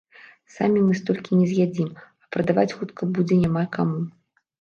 Самі мы столькі не з'ядзім, а прадаваць хутка будзе няма каму.